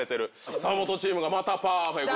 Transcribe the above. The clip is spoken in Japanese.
久本チームがまたパーフェクト。